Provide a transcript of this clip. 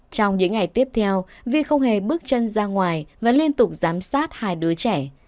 trong những ngày tiếp theo vi không hề bước chân ra ngoài và liên tục giám sát hai đứa trẻ